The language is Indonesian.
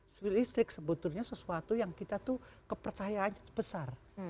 silistrik sebetulnya sesuatu yang kita tuh kepercayaannya besar